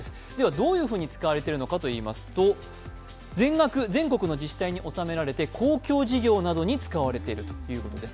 どういうふうに使われているのかといいますと全額、全国の自治体におさめられて公共事業などに使われているということです。